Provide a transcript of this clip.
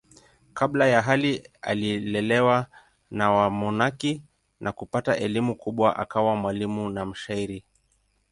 Kabla ya hapo alilelewa na wamonaki na kupata elimu kubwa akawa mwalimu na mshairi.